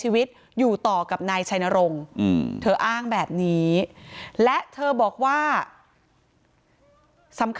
ทั้งครูก็มีค่าแรงรวมกันเดือนละประมาณ๗๐๐๐กว่าบาท